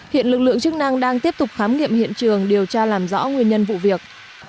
hiện lực lượng chức năng đang tiếp tục khám nghiệm hiện trường điều tra làm rõ nguyên nhân vụ việc